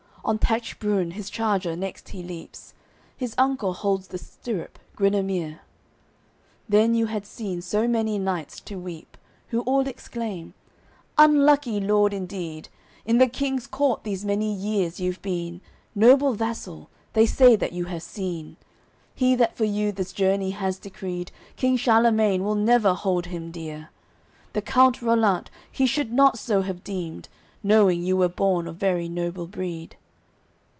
On Tachebrun, his charger, next he leaps, His uncle holds the stirrup, Guinemere. Then you had seen so many knights to weep, Who all exclaim: "Unlucky lord, indeed! In the King's court these many years you've been, Noble vassal, they say that have you seen. He that for you this journey has decreed King Charlemagne will never hold him dear. The Count Rollant, he should not so have deemed, Knowing you were born of very noble breed."